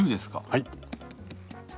はい。